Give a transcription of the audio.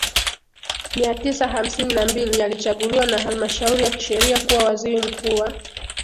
mia tisa hamsini na mbili alichaguliwa na Halmashauri ya Kisheria kuwa waziri mkuu wa